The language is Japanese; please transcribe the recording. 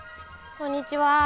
こんにちは。